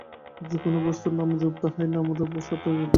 যে কোন বস্তুর নামরূপ আছে, তাহাই নামরূপাতীত সত্তার অধীন।